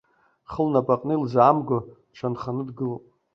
Лхы лнапаҟны илзаамго, дшанханы дгылоуп.